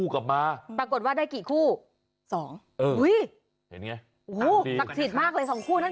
แล้วได้กี่คู่สองอุ้ยเห็นไงสักทีสักทีมากเลยสองคู่นั่นคือ